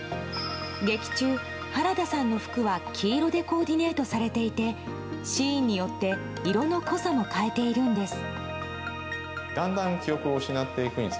劇中、原田さんの服は黄色でコーディネートされていてシーンによって色の濃さも変えているんです。